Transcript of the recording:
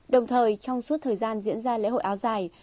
đồng thời trong suốt thời gian diễn ra lễ hội áo dài